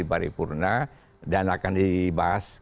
paripurna dan akan dibahas